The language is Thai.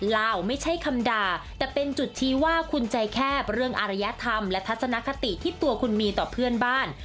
ลาวไม่ใช่คำด่าแต่เป็นจุดชี้ว่าคุณใจแคบเรื่องอารยธรรมและทัศนคติที่ตัวคุณมีต่อเพื่อนบ้าน